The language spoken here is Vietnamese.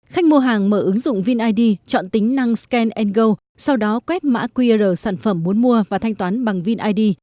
khách mua hàng mở ứng dụng vinid chọn tính năng scan ango sau đó quét mã qr sản phẩm muốn mua và thanh toán bằng vinid